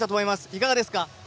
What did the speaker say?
いかがですか？